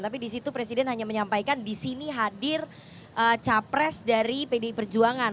tapi di situ presiden hanya menyampaikan di sini hadir capres dari pdi perjuangan